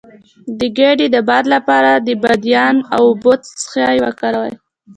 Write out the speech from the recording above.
د ګیډې د باد لپاره د بادیان او اوبو څاڅکي وکاروئ